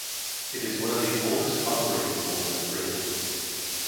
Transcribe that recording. It is one of the oldest operating pools in Britain.